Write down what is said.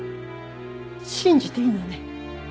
信じていいのね？